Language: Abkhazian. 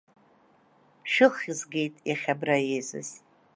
Шәыххьзгеит, иахьа абра еизаз!